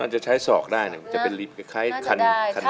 น่าจะใช้สอกได้จะเป็นลิฟท์คล้ายคันโยบ